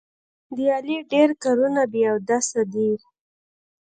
د علي ډېر کارونه بې اودسه دي.